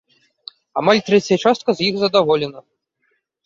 Амаль трэцяя частка з іх задаволена.